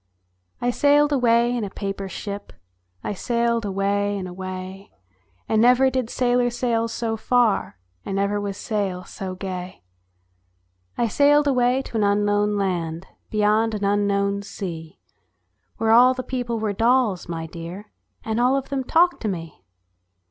I SAILED away in a paper ship, I sailed away and away, And never did sailor sail so far, And never was sail so gay. I sailed away to an unknown land, Beyond an unknown sea, Where all the people were dolls, my dear, And all of them talked to me.